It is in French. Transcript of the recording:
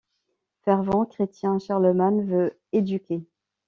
Fervent chrétien, Charlemagne veut éduquer.